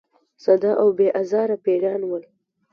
ساده او بې آزاره پیران ول.